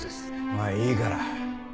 まあいいから。